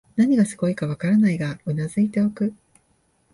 何がすごいかわからないが頷いておく